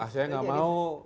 saya gak mau